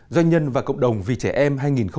doanh nhân và cộng đồng vì trẻ em hai nghìn một mươi chín